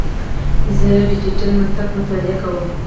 زه د ډیجیټل منطق مطالعه کوم.